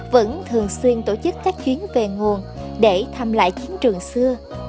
vẫn thường xuyên tổ chức các chuyến về nguồn để thăm lại chiến trường xưa